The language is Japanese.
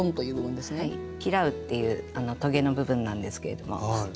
「キラウ」っていうとげの部分なんですけれども。